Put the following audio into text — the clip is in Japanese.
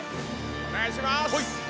お願いします！